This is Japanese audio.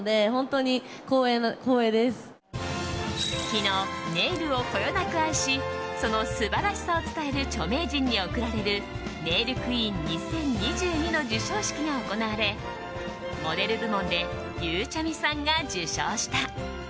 昨日、ネイルをこよなく愛しその素晴らしさを伝える著名人に贈られるネイルクイーン２０２２の授賞式が行われモデル部門でゆうちゃみさんが受賞した。